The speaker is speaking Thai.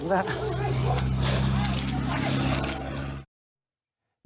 อีกแบบอีกแบบอีกแบบ